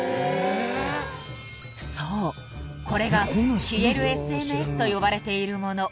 そうこれが消えるＳＮＳと呼ばれているもの